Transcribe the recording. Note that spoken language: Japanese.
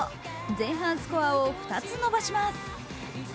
前半スコアを２つ伸ばします。